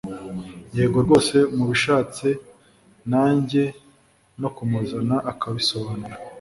yego rwose mubishatse najya no kumuzana akabisobanura